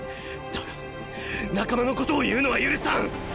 だが仲間のことを言うのは許さん！